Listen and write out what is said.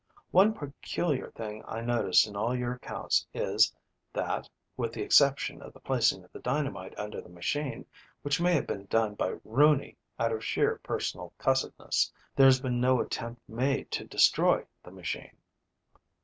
One peculiar thing I notice in all your accounts is that, with the exception of the placing of the dynamite under the machine, which may have been done by Rooney out of sheer personal cussedness, there has been no attempt made to destroy the machine."